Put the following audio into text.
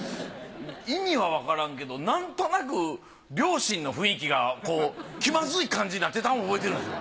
意味はわからんけどなんとなく両親の雰囲気が気まずい感じになってたんは覚えてるんですよ。